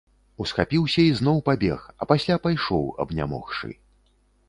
Усхапіўся і зноў пабег, а пасля пайшоў, абнямогшы.